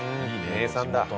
名産だ。